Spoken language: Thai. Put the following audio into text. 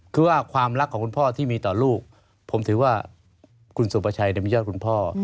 คือว่าความรักของคุณพ่อที่มีต่อลูกผมถือว่าคุณสุประชัยมียอดคุณพ่อ